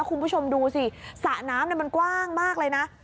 คุณผู้ชมดูสิสระน้ำมันกว้างมากเลยนะ